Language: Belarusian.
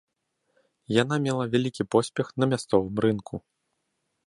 Яна мела вялікі поспех на мясцовым рынку.